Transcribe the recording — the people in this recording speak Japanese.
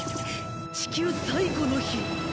地球最後の日。